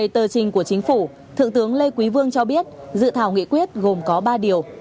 tờ trình của chính phủ thượng tướng lê quý vương cho biết dự thảo nghị quyết gồm có ba điều